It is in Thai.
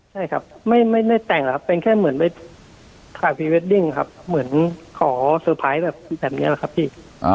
ใช่ครับไม่ไม่ไม่แต่งหรอกครับเป็นแค่เหมือนไปครับเหมือนขอแบบแบบนี้แหละครับพี่